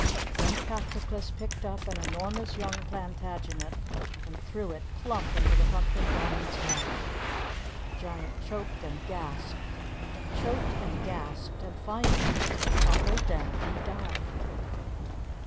Then Patroclus picked up an enormous Young Plantagenet and threw it plump into the Pumpkin Giant's mouth. The Giant choked and gasped, and choked and gasped, and finally tumbled down and died.